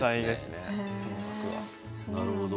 なるほど。